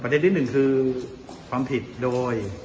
ประเด็นที่๑คือความผิดโดย